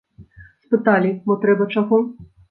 Спыталі, мо трэба чаго?